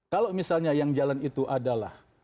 kalau misalnya yang jalan itu adalah